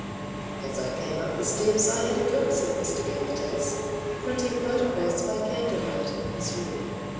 As I came up the steps I had a glimpse of Mr. Gabbitas printing photographs by candle light in his room.